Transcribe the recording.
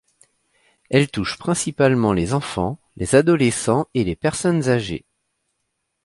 Elle touche principalement les enfants, les adolescents et les personnes âgées.